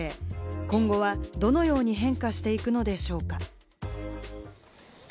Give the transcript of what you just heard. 今後は、どのように変化していくのでしょうか？